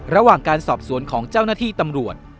ระหว่างการสอบสวนของเจ้าหน้าที่ตำรวจ